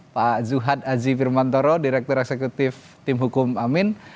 pak zuhad azi firmantoro direktur eksekutif tim hukum amin